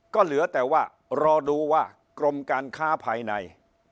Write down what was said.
ก็เหลือแต่ว่ารอดูว่ากรมการค้าภายใน